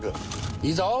いいぞ！